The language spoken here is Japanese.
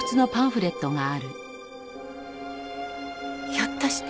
ひょっとして。